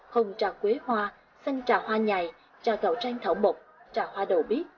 hồng trà quế hoa xanh trà hoa nhài trà cạo trang thảo mộc trà hoa đậu biếc